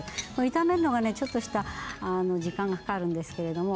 炒めるのがねちょっとした時間がかかるんですけども。